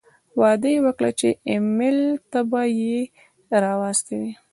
وعده یې وکړه چې ایمېل ته به یې را واستوي.